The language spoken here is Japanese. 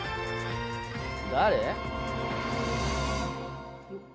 誰？